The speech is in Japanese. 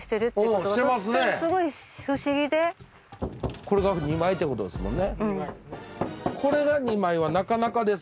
これが２枚ってことですもんね。